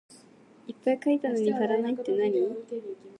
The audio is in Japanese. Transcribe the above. いっぱい書いたのに足らないってなに？